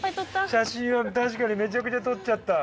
写真は確かにめちゃくちゃ撮っちゃった。